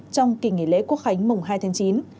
trong kỳ nghỉ lễ quốc khánh mùng hai tháng chín